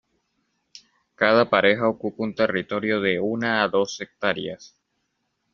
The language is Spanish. Cada pareja ocupa un territorio de una a dos hectáreas.